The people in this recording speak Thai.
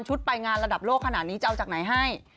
ไปงานระดับโลกขนาดนี้จะเอาจากไหนให้